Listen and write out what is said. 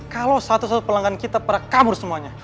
kalo satu satu pelanggan kita perekamur semuanya